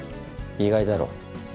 意外だろ？